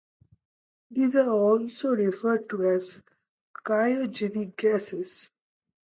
These are also referred to as cryogenic gases.